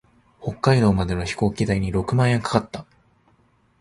北海道までの飛行機代に六万円かかった。